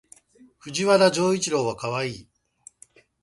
藤原丈一郎はかわいい